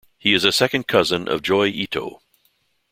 He is a second cousin of Joi Ito.